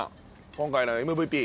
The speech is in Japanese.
今回のＭＶＰ。